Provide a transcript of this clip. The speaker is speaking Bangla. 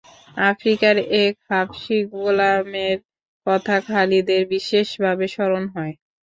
আফ্রিকার এক হাবশী গোলামের কথা খালিদের বিশেষভাবে স্মরণ হয়।